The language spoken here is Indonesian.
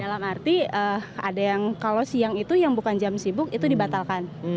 dalam arti ada yang kalau siang itu yang bukan jam sibuk itu dibatalkan